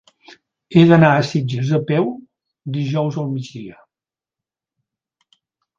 He d'anar a Sitges a peu dijous al migdia.